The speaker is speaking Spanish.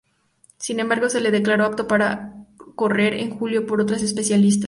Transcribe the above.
Sin embargo se le declaró apto para correr en julio por otro especialista.